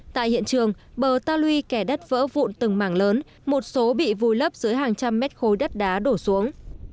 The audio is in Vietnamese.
tại hiện trường bờ ta lui kẻ đất vỡ vụn từng mảng lớn một số bị vùi lấp dưới hàng trăm mét khối đất đá đổ xuống